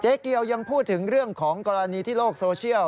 เกียวยังพูดถึงเรื่องของกรณีที่โลกโซเชียล